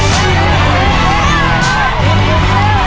สวัสดีครับ